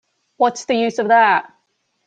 What's the use of that?